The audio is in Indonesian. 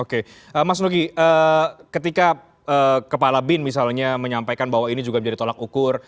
oke mas nugi ketika kepala bin misalnya menyampaikan bahwa ini juga menjadi tolak ukur